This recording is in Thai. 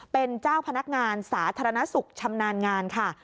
เป็นเจ้าพนักงานสาธารณสุขชำนาญงานค่ะ